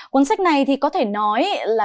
cuốn sách này thì có thể nói là